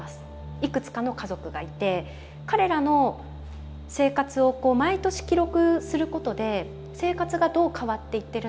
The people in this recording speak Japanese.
いくつかの家族がいて彼らの生活を毎年記録することで生活がどう変わっていってるのか。